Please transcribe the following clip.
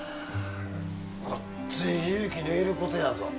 ごっつい勇気のいることやぞ。